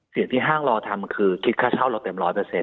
เสียงที่ห้างรอทำคือคิดค่าเช่าเราเต็ม๑๐๐